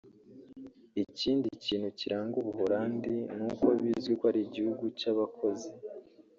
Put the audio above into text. Ikindi kintu kiranga u Buholandi ni uko bizwi ko ari igihugu cy’abakozi